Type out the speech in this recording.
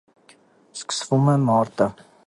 Սկսվում է մարտը։